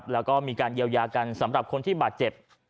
แล้วก็มีการเยียวยากันสำหรับคนที่บาดเจ็บ